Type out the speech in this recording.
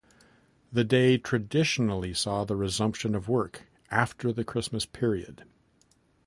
The day traditionally saw the resumption of work after the Christmas period.